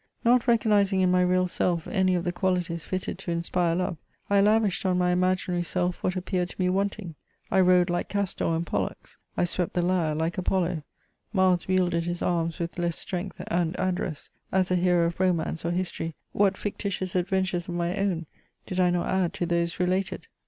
Not recognising in my real self any of the qualities fitted to mspire loye» I lavished on my imaginary self what appeared to me wanting. I rode like Castor and Pollux ; I swept the lyre like Apollo ; Mars wielded his arms with less strength and address ; as a hero of romance or history, what fictitious adventures of my own did I not add to those related